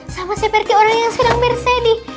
sama seperti orang yang sedang bersedih